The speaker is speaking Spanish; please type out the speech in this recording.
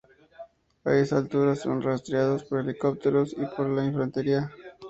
A esa altura son rastreados por helicópteros y por la infantería.